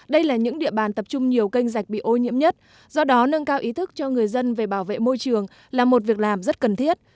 đây là những địa bàn tập trung nhiều kênh dạch bị ô nhiễm nhất do đó nâng cao ý thức cho người dân về bảo vệ môi trường là một việc làm rất cần thiết